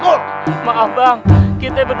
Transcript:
kalo kaya bukan tertentu